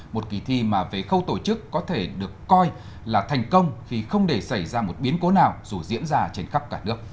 một kỳ thi mà về khâu tổ chức có thể được coi là thành công khi không để xảy ra một biến cố nào dù diễn ra trên khắp cả nước